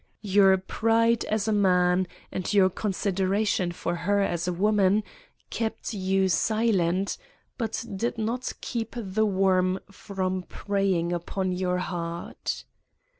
Your pride as a man, and your consideration for her as a woman, kept you silent, but did not keep the worm from preying upon your heart.